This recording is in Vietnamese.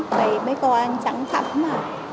thì mấy cô anh chẳng thẳng mà